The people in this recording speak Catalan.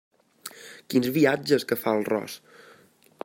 Quins viatges que fa el ros!